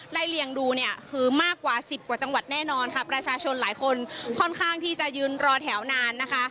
ไล่เลี้ยงดูคือมากกว่า๑๐กว่าจังหวัดแน่นอนประชาชนหลายคนค่อนข้างที่จะยืนรอแถวนาน